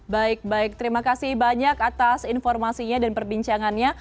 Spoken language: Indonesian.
baik baik terima kasih banyak atas informasinya dan perbincangannya